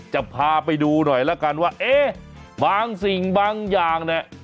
จะพาไปดูหน่อยแล้วกันว่าเอ๊ะบางสิ่งบางอย่างเนี่ย